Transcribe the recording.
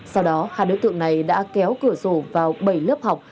sau đó hai đối tượng này đã kéo cửa rổ vào bảy lớp học